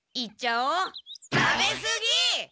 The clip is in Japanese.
食べすぎ！